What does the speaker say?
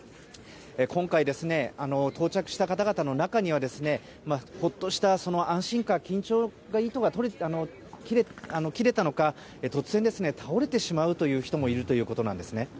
今回、到着した方々の中にはほっとした安心感からか緊張の糸が切れたのか突然、倒れてしまう人もいるということなんです。